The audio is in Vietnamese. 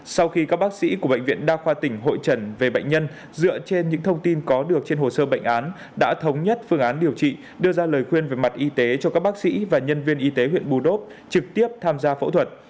sau khi các bác sĩ của bệnh viện đa khoa tỉnh hội trần về bệnh nhân dựa trên những thông tin có được trên hồ sơ bệnh án đã thống nhất phương án điều trị đưa ra lời khuyên về mặt y tế cho các bác sĩ và nhân viên y tế huyện bù đốp trực tiếp tham gia phẫu thuật